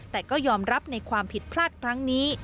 แต่ก็ยอมรับในความผิดพลาดครั้งนี้